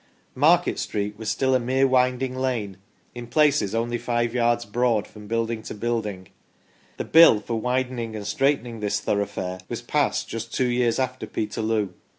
Market Street was still a mere winding lane, in places only five yards broad from building to building ; the Bill for widening and straightening this thoroughfare was passed just two years after Peterloo.